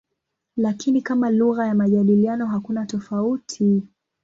Lakini kama lugha ya majadiliano hakuna tofauti.